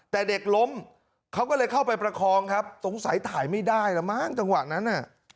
แต่เด็กล้มเขาก็เลยเข้าไปประคองครับสงสัยถ่ายไม่ได้แล้วมั้งจังหวะนั้นน่ะ